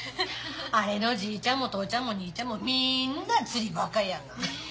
あれのじいちゃんも父ちゃんも兄ちゃんもみんな釣りバカやが。